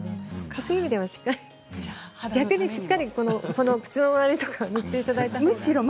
そういう意味ではしっかり逆にしっかり口の周りとか塗っていただいたほうがいいです。